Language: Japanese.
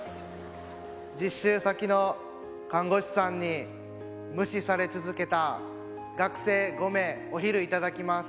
「実習先の看護師さんに無視され続けた『学生５名お昼いただきます』」。